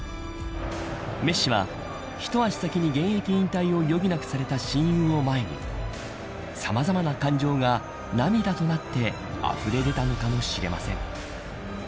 メッシは、一足先に現役引退を余儀なくされた親友を前にさまざまな感情が涙となってあふれ出たのかもしれません。